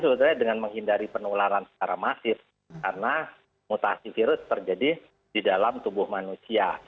sebetulnya dengan menghindari penularan secara masif karena mutasi virus terjadi di dalam tubuh manusia